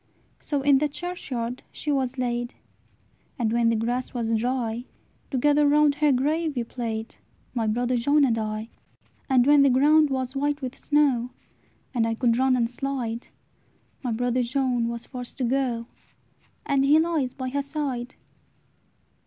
"So in the churchyard she was laid; And, when the grass was dry, Together round her grave we played, My brother John and I. "And when the ground was white with snow, And I could run and slide, My brother John was forced to go, And he lies by her side."